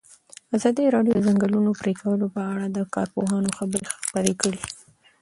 ازادي راډیو د د ځنګلونو پرېکول په اړه د کارپوهانو خبرې خپرې کړي.